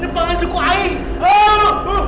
dia makan suku air